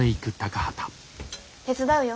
手伝うよ。